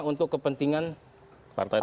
untuk kepentingan partai